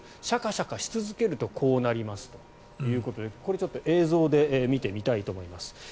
シャカシャカし続けるとこうなりますということでこれ、映像で見てみたいと思います。